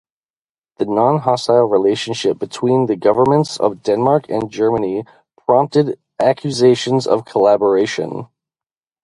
The non-hostile relationship between the governments of Denmark and Germany prompted accusations of collaboration.